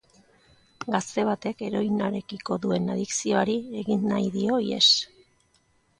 Gazte batek heroinarekiko duen adikzioari egin nahi dio ihes.